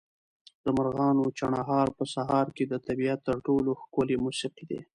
د مرغانو چڼهار په سهار کې د طبیعت تر ټولو ښکلې موسیقي ده.